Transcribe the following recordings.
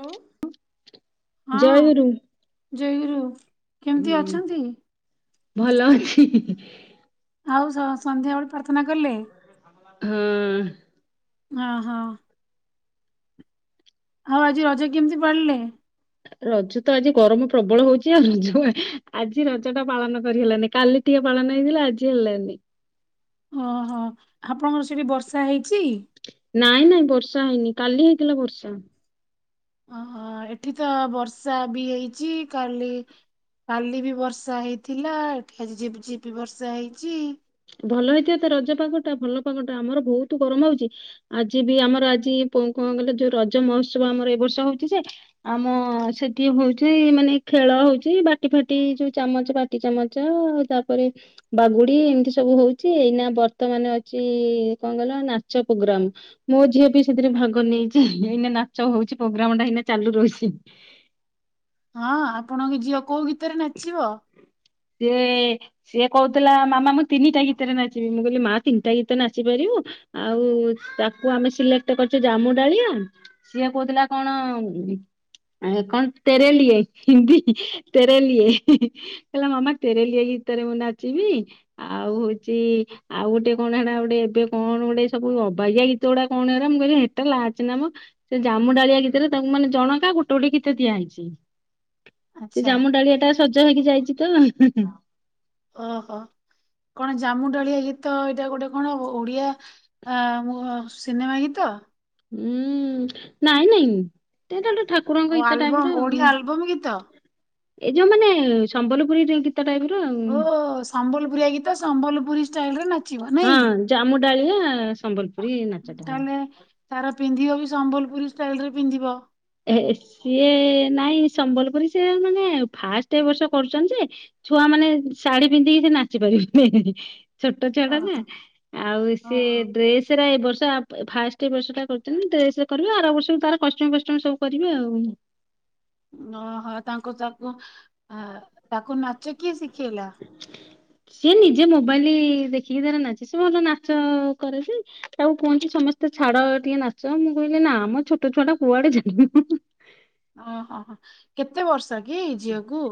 Hello, ହଁ ଜୟଗୁରୁ ଜୟଗରୁ। କେମିତି ହୁଁ ଅଛନ୍ତି? ଭଲ ଅଛି [unintelligible] ଆଉ ସ-ସନ୍ଧ୍ୟାବେେଳେ ପ୍ରାର୍ଥନା କଲେ? ହୁଁ। ଅ ହ। ଆଉ ଆଜି ରଜ କେମିତି ପାଳିଲେ? ରଜ ତ ଆଜି ଗରମ ପ୍ରବଳ ହଉଛି ଆଉ ରଜ [unintelligible] ଆଜି ରଜ ଟା ପାଳନ କରି ହେଲାନି। କାଲି ଟିକେ ପାଳନ ହେଇଥିଲା, ଆଜି ହେଲାନି। ଓହୋ! ଆପଣଙ୍କର ସେଠି ବର୍ଷା ହେଇଛି? ନାଇଁ ନାଇଁ ବର୍ଷା ହେଇନି। କାଲି ହେଇଥିଲା ବର୍ଷା। ଓହୋ! ଏଠି ତ ବର୍ଷା ବି ହେଇଛି କାଲି କାଲି ବି ବର୍ଷା ହେଇଥିଲା। ଏଠି ଆଜି ଝିପ୍ ଝିପ୍ ବର୍ଷା ହେଇଛି। ଭଲ ହେଇଥିବ ତ, ରଜପାଗଟା ଭଲ ପାାଗଟା ଆମର ବହୁତ ଗରମ ହଉଛି। ଆଜି ବି ଆମର ଆଜି ପ କଣ କହିଲ ଯୋଉ ରଜ ମହୋତ୍ସବ ଆମର ଏ ବର୍ଷ ହଉଛି ଯେ ଆମ ସେଠି ହଉଛି ମାନେ ଖେଳ ହଉଛି, ବାଟି ଫାଟି ଯୋଉ ଚାମଚ ବାଟ୍ ଟି ଚାମଚ, ତାପରେ ବାଗୁଡି ଏମିତି ସ ସବୁ ହଉଛି ଏଇନା ବର୍ତ୍ତମାନ ଅଛି କଣ କହିଲ? ନାଚ ପୋଗ୍ରାମ୍! ମୋ ଝିଅ ବି ସେଥିରେ ଭାଗ ନେଇଛି ଏଇନା ନାଚ ହଉଛି ପ୍ରୋଗ୍ରାମ୍ ଟା ଏଇନା ଚାଲୁ ରହିଛି। ହଁ, ଆପଣଙ୍କ ଝିଅ କୋଉ ଗୀତରେ ନାଚିବ? ସିଏ ସିଏ କହୁଥିଲା ମାମା ମୁଁ ତିନିଟା ଗୀତରେ ନାଚିବି। ମୁଁ କହିଲି ମା, ତିନିଟା ଗୀତରେ ନାଚିପାରିବୁ? ଆଉ ତାକୁ ଆମେ ସିଲେକ୍ଟ କରିଛୁ ଜାମୁ ଡାଳିଆ ସିଏ କହୁଥିଲା କଣ ଉଁ ଆ କଣ ତେରଲିଏ ହିନ୍ଦୀ ତେରଲିଏ। ହିଁ ହିଁ। ହେଲା ମାମା ତେରେଲିଏ ଗୀତରେ ମୁଁ ନାଚିବି। ଆଉ ହଉଛି ଆଉ ଗୋଟେ କଣ ହେଡା ଗୋଟେ ଏବେ କଣ ଗୋଟେ ସବୁ ଅବାଗିଆ ଗୀତ ଗୁଡା କଣ ଏରା, ମୁଁ କହିଲି ହେତେ ଲାଚନା ମ? ସେ ଜାମୁ ଡାଳିଆ ଗୀତରେ ତାଙ୍କୁ ମାନେ ଜଣକା ଗୋଟେ ଗୋଟେ ଗୀତ ଦିଆ ହେଇଚି। ସେ ଆଚ୍ଛା ଜାମୁ ଡାଳିଆ ଟା ସଜ ହେଇକି ଯାଇଚି ତ। ଅ ହ। କଣ ଜାମୁ ଡ଼ାଳିଆ ଗୀତ ଏଇଟା ଗୋଟେ କଣ ଓଡିଆ ଆ [unintelligible] ସିନେମା ଗୀତ? ହୁଁ। ନାଇଁ ନାଇଁ। [unintelligible] ଓ ଠାକୁରଙ୍କ ଗୀତ ଟାଇପ୍ ଆଲବମ୍ ର ଆଉ। ଓଡିଆ ଆଲବମ୍ ଗୀତ? ଏଇ ଯୋଉ ମାନେ ସମ୍ବଲପୁରୀ ଗୀତ ଟାଇପ୍ ର ଆଉ। ସମ୍ବଲପୁରୀଆ ଗୀତ ସମ୍ବଲପୁରୀ ଷ୍ଟାଇଲ ରେ ନା ହଁ। ଜାମୁ ଡାଳିଆ ସମ୍ବଲପୁରୀ ନାଚ। [unintelligible] ତାହେଲେ ତାର ପିନ୍ଧିବ ବି ସମ୍ବଲପୁରୀ ଷ୍ଟାଇଲ ରେ ପିନ୍ଧିବ। ଏ ସିଏ ନାଇଁ ସମ୍ବଲପୁରୀ ସିଏ ମାନେ ଫାଷ୍ଟ ଏ ବର୍ଷ କରୁଛନ୍ତି ଯେ ଛୁଆ ମାନେ ଶାଢୀ ପିନ୍ଧିକି ସେ ନାଚି ପାରିବେନି। ଛୋଟ ଛୁଆ ଟା ନା। ଓହୋ। ଆଉ ସିଏ ହଁ ଡ୍ରେସ୍ ସେଇରା ଏ ବର୍ଷ ଆପ ଫାର୍ଷ୍ଟ ଏ ବର୍ଷଟା କରୁଛନ୍ତି ଡ୍ରେସ୍ ରେ କରିବ ଆର ବର୍ଷ କୁ ତାର କଷ୍ଟ୍ୟୁମ୍ ଫଷ୍ଟ୍ୟୁ ଷ୍ଟ୍ୟୁମ୍ ସବୁ କରିବେ ଆଉ। ଅ ହ। ତାଙ୍କୁ ତାକୁ ଆ ତାକୁ ନାଚ କିଏ ଶିଖେଇଲା? ସିଏ ନିଜେ ମୋବାଇଲି ଦେଖିକି ତାର ନାଚେ। ସେ ଭଲ ନାଚ କରେ ଯେ ତାକୁ କୁହନ୍ତି ସମସ୍ତେ ଛାଡ ଟିକେ ନାଚ। ମୁଁ କହିଲି ନା ମ ଛୋଟ ଛୁଆ ଟା କୁଆଡେ। [unintelligible] ଅ ହ ହ। କେତେ ବର୍ଷ କି ଝିଅକୁ?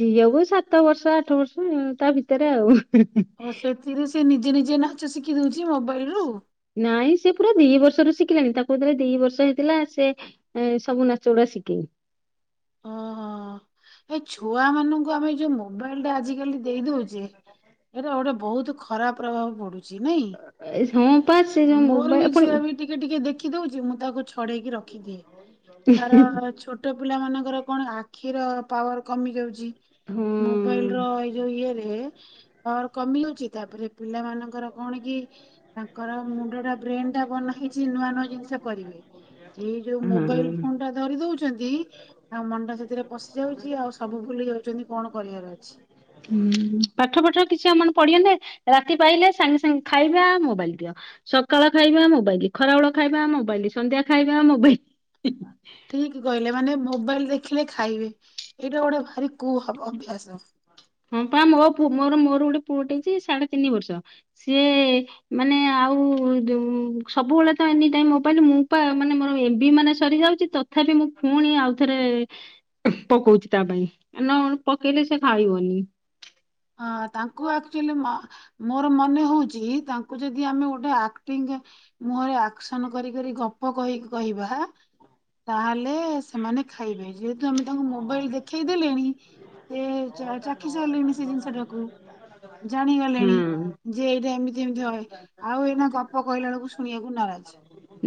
ଝିଅକୁ ସାତ ବର୍ଷ ଆଠ ବର୍ଷ ତା ଭିତରେ ଆଉ। ଓ ସେଥିରେ ସେ ନିଜେ ନିଜେ ନାଚ ଶିଖିଦଉଚି ମୋବାଇଲରୁ? ନାଇଁ ସେ ପୁରା ଦି ବର୍ଷରୁ ଶିଖିଲାଣି। ତାକୁ ଯେତେବେଳେ ଦି ବର୍ଷ ହେଇଥିଲା ସେ ଏ ସବୁ ନାଚ ଗୁଡା ଶିକେ। ଓହୋ। ଏ ଛୁଆ ମାନଙ୍କୁ ଆମେ ଯୋଉ ମୋବାଇଲ ଟା ଆଜିକାଲି ଦେଇ ଦଉଚେ, ଏଇଟା ଗୋଟେ ବହୁତ୍ ଖରାପ ପ୍ରଭାବ ପଡ଼ୁଛି ନାଇଁ। ଏ ହଁ ପା ସେ ଯୋଉ ମୋର ମୋବା ବି ପୁଣି ଝିଅ ବି ଟିକେ ଟିକେ ଦେଖି ଦଉଚି ମୁଁ ତାକୁ ଛଡେଇକି ରଖିଦିଏ। ତାର ଛୋ ଛୋଟ ପିଲା ମାନଙ୍କର କଣ ଆଖିର ପାୱାର କମି ଯାଉଚି। ହୁଁ। ମୋବାଇଲ ର ଏଇ ଯୋଉ ଇଏ ରେ ପାୱାର କମି ଯାଉଚି। ତାପରେ ପିଲା ମାନଙ୍କର କଣ କି କର ମୁଣ୍ଡ ଟା ବ୍ରେନ ଟା ବନା ହେଇଚି ନୂଆ ନୂଆ ଜିନିଷ କରିବେ। ଏଇ ଯୋଉ ମୋବାଇଲ ହଁ। ଫୋନ ଟା ଧରି ଦଉଛନ୍ତି ତାଙ୍କ ମନ ଟା ସେଥିରେ ପଶି ଯାଉଚି ଆଉ ସବୁ ଭୁଲି ଯାଉଛନ୍ତି କଣ କରିବାର ଅଛି। ହୁଁ। ପାଠ ପାଠ କିଛି ଆମର ପଢିି। [unintelligible] ରାତି ପାହିଲେ ସାଙ୍ଗେ ସାଙ୍ଗେ ଖାଇବା ମୋବାଇଲ ଦିଅ। ସକାଳ ଖାଇବା ମୋବାଇଲି, ଖରାବେଳ ଖାଇବା ମୋବାଇଲି, ସନ୍ଧ୍ୟା ଖାଇବା ମୋବାଇଲି। ଠିକ୍ କହିଲେ। ମାନେ ମୋବାଇଲ ଦେଖିଲେ ଖାଇବେ, ଏଇଟା ଗୋଟେ ଭାରି କୁ ହ ଅଭ୍ୟାସ। ହଁ ପା ମୋ ପୁ ମୋର ମୋର ଗୋଟେ ପୁଅ ଯେ ସାଢେ ତିନି ବର୍ଷ, ସେ ମାନେ ଆଉ ଦୁ ସବୁବେଳେ ତ ଏନି ଟାଇମ୍ ମୋବାଇଲ ମୁଁ ପା ମାନେ ମୋର ଏମ୍ ବି ମାନେ ସରିଯାଉଚି ତଥାପି ମୁଁ ପୁଣି ଆଉଥରେ ପକଉଚି ତା ପାଇଁ। ଆଉ ନ ପକେଇଲେ ସେ ଖାଇବନି। ହଁ। ତାଙ୍କୁ ଆକ୍ଚୁଆଲି ମ ମୋର ମନେ ହଉଚି ତାଙ୍କୁ ଯଦି ଆମେ ଗୋଟେ ଆକ୍ଟିଙ୍ଗ ମୁହଁରେ ଆକ୍ସନ କରି କରି ଗପ କହିକି କହିବା ତାହେଲେ ସେମାନେ ଖାଇବେ। ଯେ ଯେହେତୁ ଆମେ ତାଙ୍କୁ ମୋବାଇଲ ଦେଖେଇ ଦେଲେଣି ସେ ଚା-ଚାଖି ସାରିଲେଣି ସେ ଜିନିଷଟାକୁ। ଜାଣିଗଲେଣି। ହୁଁ। ଯେ ଏଇଟା ଏମିତି ଏମିତି ହଏ। ଆଉ ଏଇନା ଗପ କହିଲା ବେଳକୁ ଶୁଣିବାକୁ ନାରାଜ।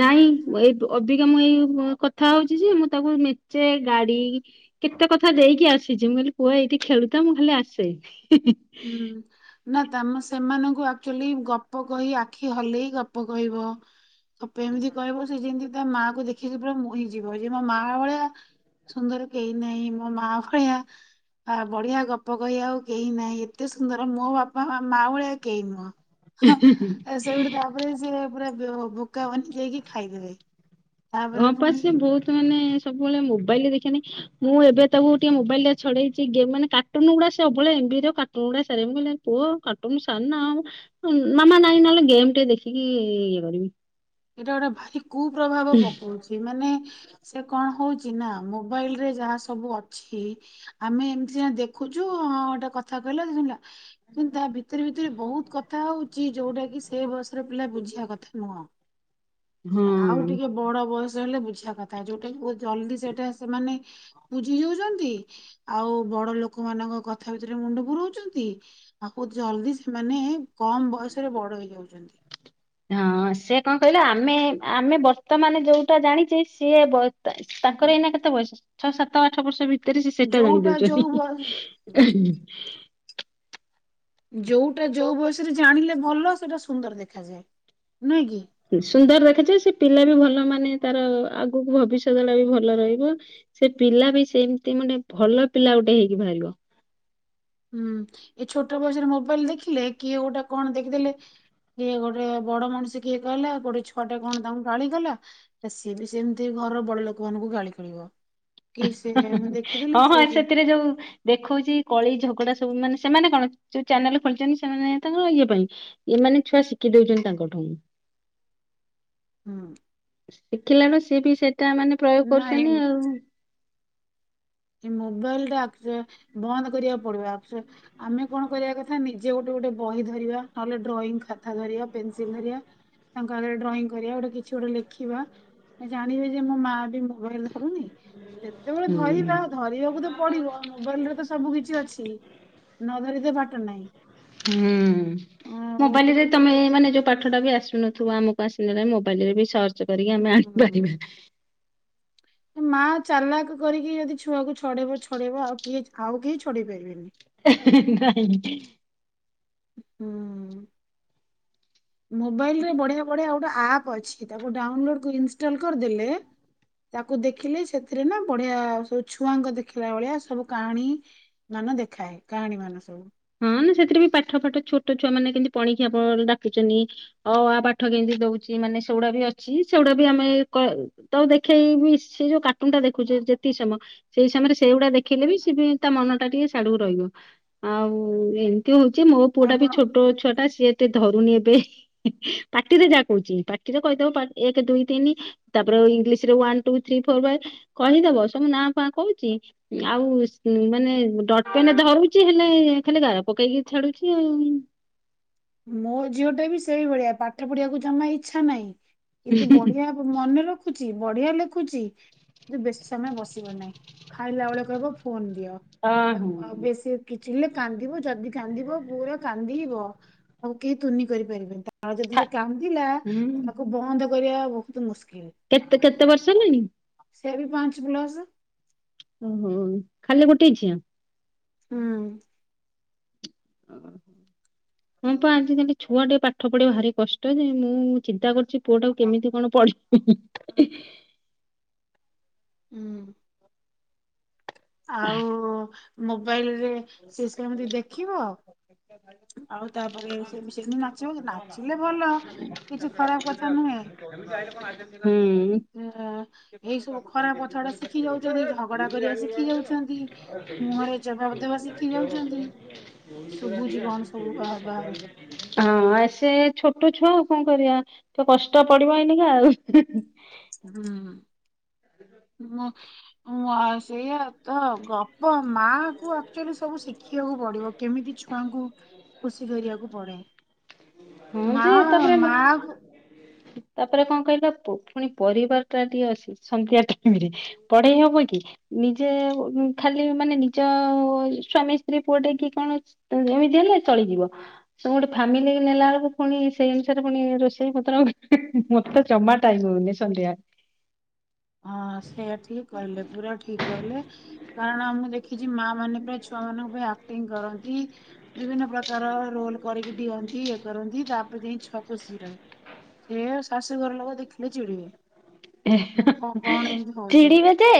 ନାଇଁ ଏବ୍ ଅବିକା ମୁଁ ଏଇ କଥା ହଉଛି ଯେ ମୁଁ ତାକୁ ନିଚେ ଗାଡି, କେତେ କଥା ଦେଇକି ଆସିଛି ମୁଁ କହିଲି ପୁଅ ଏଇଠି ଖେଳୁଥା ମୁଁ ଖାଲି ଆସେ। ହୁଁ। ନା ତମେ ସେମାନଙ୍କୁ ଆକ୍ଚୁଆଲି ଗପ କହି ଆଖି ହଲେଇ ଗପ କହିବ। ତାକୁ ଏମିତି କହିବ ସେ ଯେମିତି ତା ମାଆ କୁ ଦେଖିକି ପୁରା ମୋହି ଯିବ ଯେ ମୋ ମା ଭଳିଆ ସୁନ୍ଦର କେହି ନାହିଁ ମୋ ମା ଭଳିଆ ବା ବଢିଆ ଗପ କହିବା ଆଉ କେହି ନାହିଁ। ଏତେ ସୁନ୍ଦର ମୋ ବାପା ମା ଭଳିଆ କେହି ନୁହଁ। ସେଇଠୁ ତାପରେ ସେ ପୁରା ବେ ବୋକା ବନି ଯାଇକି ଖାଇଦେବେ। ହଁ ତାପରେ ପା ପୁଣି ସେ ଏଇଟା ବହୁତ ମାନେ ସବୁବେଳେ ମୋବାଇଲରେ ଦେଖିବନି ମୁଁ ଏବେ ତାକୁ ଟିକେ ମୋବାଇଲ ଟା ଛଡେଇଛି ଗେମ୍ ମାନେ କାଟୁନ ଗୁଡା ସବୁବେଳେ ଏମବି ର କାଟୁନ ଗୁଡା ସାରେ। ମୁଁ କହିଲି ପୁଅ କାର୍ଟୁନ ସାରନା, ମାମା ନାଇଁ ନହେଲେ ଗେମ୍ ଟିକେ ଦେଖିକି ଇଏ କରିବି। ଏଇଟା ଗୋଟେ ଭାରି କୁପ୍ରଭାବ ପକଉଛି। ମାନେ ସେ କଣ ହଉଛି ନା ମୋବାଇଲ ରେ ଯାହା ସବୁ ଅଛି ଆମେ ଏମିତି ସିନା ଦେଖୁଛୁ ହଁ ଗୋଟେ କଥା କହିଲା ସେ ଶୁଣିଲା। ହ କିନ୍ତୁ ତା ଭିତରେ ଭିତରେ ବହୁତ କଥା ହଉଛି ଯୋଉଟା କି ସେ ବୟସର ପିଲା ବୁଝିବା କଥା ନୁହଁ। ଆଉ ହଁ ଟିକେ ବଡ ବୟସ ହେଲେ ବୁଝିବା କଥା, ଯୋଉଟା କି ବୋହୁତ ଜଲଦି ସେଇଟା ସେମାନେ ବୁଝି ଯାଉଛନ୍ତି। ଆଉ ବଡ ଲୋକ ମାନଙ୍କ କଥା ଭିତରେ ମୁଣ୍ଡ ପୁରଉଛନ୍ତି। ବୋହୁତ ଜଲଦି ସେମାନେ କମ ବୟସରେ ବଡ ହେଇଯାଉଛନ୍ତି। ହଁ ସେ କଣ କହିଲ, ଆମେ ଆମେ ବର୍ତ୍ତମାନ ଯୋଉଟା ଜାଣିଛେ ସିଏ ତାଙ୍କର ଏଇନା କେତେ ବୟସ? ଛଅ ସାତ ଆଠ ବର୍ଷ ଭିତ ଭିତରେ ସେ ସେଟା ଜାଣି ଯୋଉଟା ଯୋଉ ବୟ ଦଉଛନ୍ତି। ଯୋଉଟା ଯୋଉ ବୟସରେ ଜାଣିଲେ ଭଲ ସେଟା ସୁନ୍ଦର ଦେଖାଯାଏ ନୁହେଁ କି। ସୁନ୍ଦର ଦେଖାଯାଏ। ସେ ପିଲା ବି ଭଲ ମାନେ ତାର ଆଗକୁ ଭବିଷ୍ୟତଟା ବି ଭଲ ରହିବ। ସେ ପିଲା ବି ସେମିତି ମାନେ ଭଲ ପିଲା ଗୋଟେ ହେଇକି ବାହାରିବ। ହୁଁ ଏ ଛୋଟ ବୟସରେ ମୋବାଇଲ ଦେଖିଲେ କିଏ ଗୋଟାଏ କଣ ଦେଖିଦେଲେ କିଏ ଗୋଟେ ବଡ ମଣିଷ କିଏ କହିଲା ଗୋଟେ ଛଆଟେ କଣ ତାଙ୍କୁ ଗାଳିକଲା। ସିଏ ବି ସେମିତି ଘରର ବଡ ଲୋକମାନଙ୍କୁ ଗାଳି କରିବ। କି ସେ ମୁଁ ଦେଖିଥିଲି ହଁ ହଁ ସେ ସେ ସେଥିରେ ଯୋଉ ଦେଖଉଛି କଳି ଝଗଡା ସବୁ ମାନେ ସେମାନେ କଣ ଯୋଉ ଚ୍ୟାନେଲ ଖୋଲିଛନ୍ତି, ସେମାନେ ତାଙ୍କର ଇଏ ପାଇଁ। ଏମାନେ ଛୁଆ ଶିଖି ଦଉଛନ୍ତି ତାଙ୍କଠୁ। ହୁଁ। ଶିଖିଲାରୁ ସିଏ ବି ସେଇଟା ମାନେ ପ୍ରୟୋଗ ନାଇଁ କରୁଛନ୍ତି ଆଉ। ଏ ମୋବାଇଲ ଟା ଆକ୍ ବନ୍ଦ କରିବାକୁ ପଡିବ ଆକ୍ ଆମେ କଣ କରିବା କଥା ନିଜେ ଗୋଟେ ଗୋଟେ ବହି ଧରିବା ନହେଲେ ଡ୍ରଇଂ ଖାତା ଧରିବା ପେନସିଲ୍ ଧରିବା। ତାଙ୍କ ଆଗରେ ଡ୍ରଇଂ କରିବା ଗୋଟେ କିଛି ଗୋଟେ ଲେଖିବା। ଜାଣିବେ ଯେ ମୋ ମା ବି ମୋବାଇଲ ଧରୁନି। ଯେତେବେଳେ ଧରିବି ହୁଁ। ଧରିବାକୁ ତ ପଡିବ ମୋବାଇଲରେ ତ ସବୁ କିିଛି ଅଛି ନ ଧରିତ ବାଟ ନାହିଁ। ହୁଁ ଆଉ ମୋବାଇଲ ଟିକେ ରେ ତମେ ଟିକେ ତ ମାନେ ଯୋଉ ପାଠଟା ବି ଆସୁନଥିବ ଆମକୁ ଆସିଲେ ନ ନାଇଁ ମୋବାଇଲ ରେ ବି ସର୍ଚ କରିକି ଆମେ ହୁଁ ଆଣିପାରିବା। ମା ଚାଲାକ କରିକି ଯଦି ଛୁଆକୁ ଛଡେଇବ ଛଡେଇବ ଆଉ କିଏ ଆଉ କେହି ଛଡିେଇ ପାରିବେନି। ନାଇଁ। ହୁଁ। ମୋବାଇଲ ରେ ବଢିଆ ବଢିଆ ଗୋଟେ ଆପ୍ ଅଛି ତାକୁ ଡାଉନଲୋଡ ଇନଷ୍ଟଲ କରିଦେଲେ। ତାକୁ ଦେଖିଲେ ସେଥିରେ ନା ବଢିଆ ସବୁ ଛୁଆଙ୍କ ଦେଖିଲା ଭଳିଆ ସବୁ କାହାଣୀ। ମାନ ଦେଖାଏ କାହାଣୀ ମାନ ସବୁ। ହଁ ନା ସେଥିରେ ବି ପାଠ ଫାଠ ଛୋଟ ଛୁଆ ମାନେ କେମିତି ପଣିଖିଆ ଡାକିଛନ୍ତି। ଅ ଆ ପାଠ କେମିତି ଦଉଛି ମାନେ ସେଗୁଡା ବି ଅଛି ସେଗୁଡାବି ଆମେ ତ ଦେଖେଇ ବି ସେ ଯୋଉ କାର୍ଟୁନଟା ଦେଖୁଛେ ଯେତିକି ସମୟ ସେଇ ସମୟରେ ସେଇଗୁଡା ଦେଖିଲେ ବି ସେ ତା ମନ ଟା ଟିକେ ଶାଢକୁ ରହିବ ଆଉ ହଉ ଏମିତି ହଉଛି ମୋ ପୁଅଟା ବି ଆପଣ ଛୋଟ ଛୁଆଟା ସିଏ ଏତେ ଧରୁନି ଏବେ ପାଟିରେ ଯାହା କହୁଛି ପାଟିରେ କହିଦବ ଏକ ଦୁଇ ତିନି ତାପରେ ଇଂଲିଶରେ ୱାନ ଟୁ ଥ୍ରୀ ଫୋର ବାଇ କହିଦବ ସବୁ ନା ଫ କହୁଛି ଆଉ ମାନେ ଡଟ ପେନ ଧରୁଛି ହେଲେ। ଖାଲି ଗାର ପକେଇକି ଛାଡୁଛି ଆଉ ମୋ ଝିଅଟା ବି ସେଇଭଳିଆ ପାଠ ପଢିବାକୁ ଜମା ଇଚ୍ଛା ନାହିଁ କିନ୍ତୁ ବଢିଆ ମନେ ରଖୁଛି ବଢିଆ ଲେଖୁଛି। କିନ୍ତୁ ବେଶୀ ସମୟ ବସିବ ନାହିଁ ଖାଇଲା ବେଳକୁ କହିବ ଫୋନ ଦିଅ। ଓହୋ ବେଶୀ କିଛି ହେଲେ କାନ୍ଦିବ ଯଦି କାନ୍ଦିବ ପୁରା କାନ୍ଦିିବ। ଆଉ କେହି ତୁନି କରିପାରିବେନି ତା ଯଦି ଥା ସେ କାନ୍ଦିଲା ହୁଁ। ତାକୁ ବନ୍ଦ କରିବା ବହୁତ ମୁସ୍କିଲ। କେତେ କେତେ ବର୍ଷ ହେଲାଣି? ସେ ବି ପାଞ୍ଚ ପ୍ଲସ। ଓହୋ ଖାଲି ଗୋଟେ ଝିଅ। ହୁଁ। [unintelligible] ହ ପା ଆଜିକାଲି ଛୁଆ ଟିକେ ପାଠ ପଢିବା ଭାରି କଷ୍ଟ ଯେ ମୁଁ ଚିନ୍ତା କରୁଛି ପୁଅ ଟାକୁ କେମିତି କଣ ପଢିବି? ହ [inaudible] ହୁଁ। ଆଉ ମୋବାଇଲ ରେ ସେ ସେମିତି ଦେଖିବ [unintelligible] ଆଉ ତାପରେ ସେବି ସେ ନା ଯୋଉ ନାଚିଲେ ଭଲ କିଛି ଖରାପ କଥା ନୁହେଁ। ହୁଁ ହୁଁ। [inaudible] [unintelligible] ଝଗଡା କରିବା ହଁ ଶିଖି ଯାଉଛନ୍ତି ସେ ମୁହଁରେ ଛୋଟ ଜବାବ ଦେବା ଶିଖି ଛୁଆ ଯାଉଛନ୍ତି ଆଉ ଶୁଭୁଛି କଣ ସବୁ ବା- ବାହାରେ କରିବା ତ କଷ୍ଟ ପଡିବ ଏଇନକା ଆଉ ହୁଁ ମୁଁ ମୁ ଆ ସେଇଆ ତ ଗପ ମାଙ୍କୁ ଆକ୍ଚୁଆଲି ସବୁ ଶିଖିବାକୁ ପଡିବ କେମିତି ଛୁଆଙ୍କୁ ଖୁସି କରିବାକୁ ପଡେ ହଁ ମା ଯେ ତାପରେ ମା ତାପରେ କଣ କହିଲ ଫୁଣି ପରିବାର ଟା ଟିକେ ଅଛି ସନ୍ଧ୍ୟା ଟାଇମରେ ପଢେଇ ହବ କି? ନିଜେ ଖାଲି ମାନେ ନିଜ ସ୍ଵାମୀ ସ୍ତ୍ରୀ ପୁଅଟାକି କଣ? ତ ଏମିତି ହେଲେ ଚଳିଯିବ ତମେ ଗୋଟେ ଫ୍ୟାମିଲି ନେଲା ବେଳକୁ ପୁଣି ସେଇ ଅନୁସାରେ ପୁଣି ରୋଷେଇ ପତ୍ର ଆ ମତେ ଜମା ଟାଇମ୍ ହଉନି ସନ୍ଧ୍ୟା ହଁ ସେୟା ଠିକ କହିଲେ ପୁରା ଠିକ କହିଲେ। ହଁ ହଁ ମୁଁ ଦେଖିଛି ମା ମାନେ ପା ଛୁଆ ମାନଙ୍କ ପାଇଁ ଆକ୍ଟିଂ କରନ୍ତି ବିଭିନ୍ନ ପ୍ରକାର ରୋଲ କରିକି ଡିିଅନ୍ତି ଇଏ କରନ୍ତି ତାପରେ ଯାଇ ଛୁଆକୁ ଖୁସି ରହେ। ଏ ଶାଶୁଘର ଲୋକ ଦେଖିଲେ ଚିଡିବେ। ମୁଁ କ କଣ ଏମିତି ହଉଛି ଚିଡିବେ ଯେ।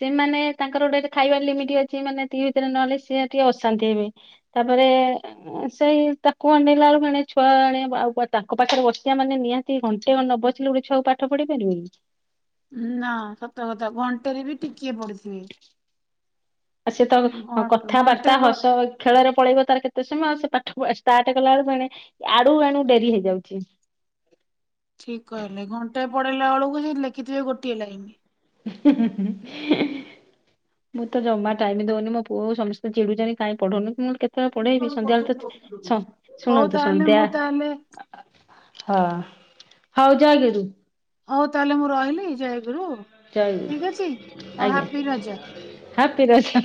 ସେମାନେ ତାଙ୍କର ଗୋଟେ ଖାଇବାର ଲିମିଟ ଅଛି ମାନେ ଏତିକି ଭିତରେ ନହେଲେ ସିଏ ଟିକେ ଅଶାନ୍ତି ହେବେ। ତାପରେ। ସେଇ ତାକୁ ଅନେଇଲା ବେଳକୁ ମାନେ ଛୁଆ ଏଣେ ଆଉ ତାଙ୍କ ପାଖରେ ବସିବା ମାନେ ନିଆ ତି ଘଣ୍ଟେ ଖଣ୍ଡେ ନ ବସିଲ ଗୋଟେ ଛୁଆକୁ ପାଠ ପଡେଇ ପାରିବନି। ନା ସତ କଥା ଘଣ୍ଟେରେ ବି ଟିକିଏ ପଢିଥିବେ। ଆ ସେତ ଘଣ୍ଟେ କଥାବାର୍ତ୍ତା ବ- ହସ। ଖେଳରେ ପଳେଇବ ତାର କେତେ ସମୟ ସେ ପାଠ ଷ୍ଟାର୍ଟ କଲାବେଳକୁ ଆଡୁ ଏଣୁ ଡେରି ହେଇଯାଉଛି। ଠିକ କହିଲେ ଘଣ୍ଟେ ପଡେଇଲା ବେଳକୁ ଲଖିଥିବେ ଗୋଟିଏ ଲାଇନ। [unintelligible] ମୁଁ ତ ଜମା ଟାଇମ ଦଉନି ମୋ ପୁଅକୁ ସମସ୍ତେ ଚିଡୁଛନ୍ତି କାଇଁ ପଢଉନୁ? କେତେବେଳେ ପଢେଇବି ସନ୍ଧ୍ୟାବେେଳେ ତ ହଉ ଶୁଣନ୍ତୁ ତାହେଲେ ସନ୍ଧ୍ୟା। ମୁଁ ତାହେଲେ ହଁ ହଉ ଜୟ ଗୁରୁ। ହଉ ତାହେଲେ ମୁଁ ରହିଲି ଜାୟଗୁରୁ ଜୟ ଠିକ ଗୁରୁ ଅଛି ହଉ, ଆଜ୍ଞା ହାପି ରଜ। ହାପି ରଜ।